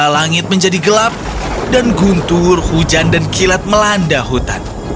langit menjadi gelap dan guntur hujan dan kilat melanda hutan